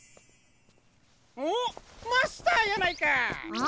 おっマスターやないか！